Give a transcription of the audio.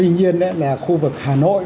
nên là khu vực hà nội